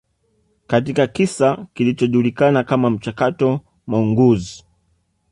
katika kisa kilichojulikana kama mchakato Mongoose